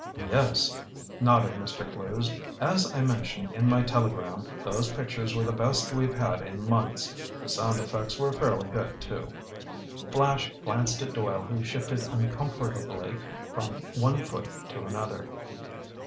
"Yes," nodded Mr. Clewes, "as I mentioned in my telegram, those pictures were the best we've had in months! The sound effects were fairly good, too." Flash glanced at Doyle who shifted uncomfortably from one foot to another.